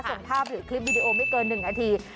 ส่งภาพหรือคลิปวิดีโอไม่เกิน๑นาที